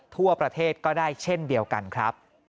ทั่วประเทศก็ได้เช่นเดียวกันครับ